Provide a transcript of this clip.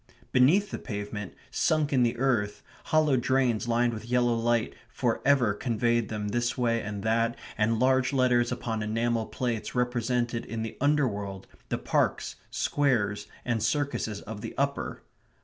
Beneath the pavement, sunk in the earth, hollow drains lined with yellow light for ever conveyed them this way and that, and large letters upon enamel plates represented in the underworld the parks, squares, and circuses of the upper.